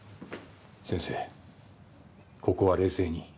先生ここは冷静に。